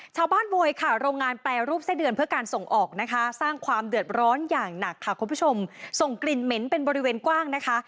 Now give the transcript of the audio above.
โวยค่ะโรงงานแปรรูปไส้เดือนเพื่อการส่งออกนะคะสร้างความเดือดร้อนอย่างหนักค่ะคุณผู้ชมส่งกลิ่นเหม็นเป็นบริเวณกว้างนะคะ